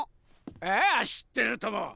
ああ知ってるとも。